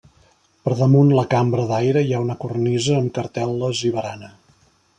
Per damunt la cambra d'aire hi ha una cornisa amb cartel·les i barana.